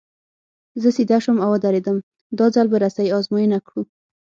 زه سیده شوم او ودرېدم، دا ځل به رسۍ ازموینه کړو.